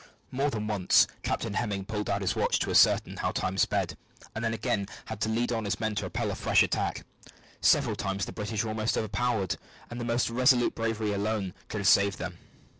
More than once Captain Hemming pulled out his watch to ascertain how time sped, and then again had to lead on his men to repel a fresh attack. Several times the British were almost overpowered, and the most resolute bravery alone could have saved them.